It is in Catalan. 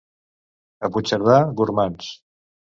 A Puigcerdà, gormands.